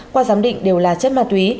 qua giám định đều là chất ma túy